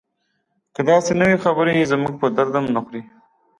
که داسې نه وي خبرې یې زموږ په درد هم نه خوري.